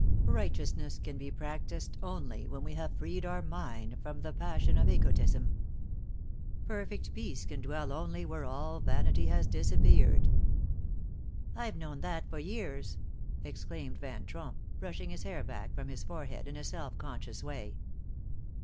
Righteousness can be practiced only when we have freed our mind from the passion of egotism. Perfect peace can dwell only where all vanity has disappeared." "I've known that for years," exclaimed Van Tromp, brushing his hair back from his forehead in a self conscious way.